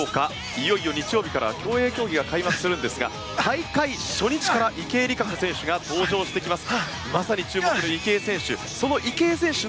いよいよ日曜日から競泳競技が開幕するんですが大会初日から池江璃花子選手が登場してきます。